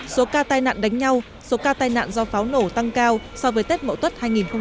số ca tai nạn đánh nhau số ca tai nạn do pháo nổ tăng cao so với tết mậu tuất hai nghìn hai mươi ba